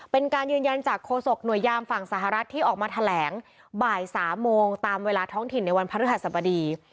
เป็นการยืนยันจากโฆษกหน่วยยามฝั่งสหรัฐที่ออกมาแถลงบ่าย๓โมงตามเวลาท้องถิ่นในวันพระฤหัสบดี